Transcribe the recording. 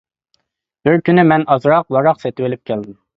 بىر كۈنى مەن ئازراق ۋاراق سېتىۋېلىپ كەلدىم.